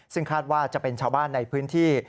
ซึ่งคาดว่าจะเป็นชาวบ้านในพื้นที่